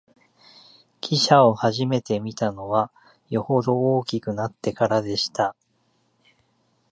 汽車をはじめて見たのは、よほど大きくなってからでした